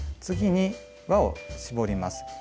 次に輪を絞ります。